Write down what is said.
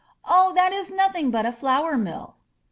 "Oh, that is nothing but a flour mill.